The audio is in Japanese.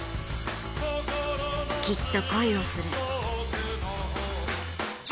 きっと恋をする。